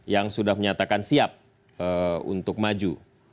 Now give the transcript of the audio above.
yang sudah menyatakan siap untuk maju